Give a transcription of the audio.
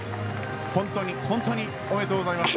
本当に、本当におめでとうございました。